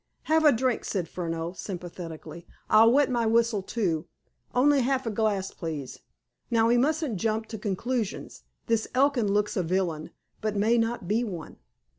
"Have a drink," said Furneaux sympathetically. "I'll wet my whistle, too. Only half a glass, please. Now, we mustn't jump to conclusions. This Elkin looks a villain, but may not be one.